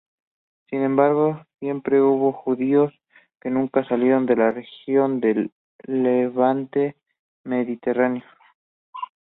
Sin embargo, siempre hubo judíos que nunca salieron de la región del Levante Mediterráneo.